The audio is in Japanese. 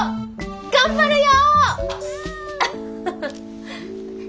頑張るよ！